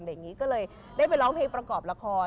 อย่างนี้ก็เลยได้ไปร้องเพลงประกอบละคร